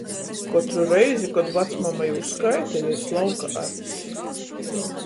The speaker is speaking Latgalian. Kotru reizi, kod vacmama jū skaita, jei slauka acs.